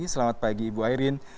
selamat pagi ibu ayrin